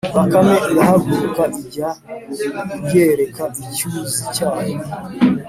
” Bakame irahaguruka ijya kuyereka icyuzi cyayo